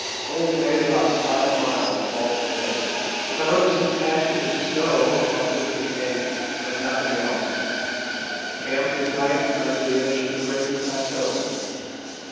Only made about five miles all day; found some patches of snow, of which we ate, but nothing else. Camped at night under the edge of a great plateau.